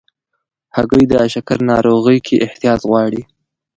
هګۍ د شکر ناروغۍ کې احتیاط غواړي.